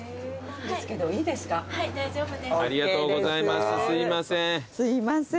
すいません。